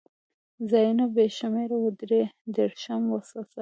ځایونه بې شمېره و، درې دېرشم فصل.